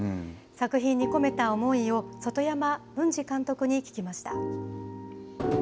作品に込めた思いを外山文治監督に聞きました。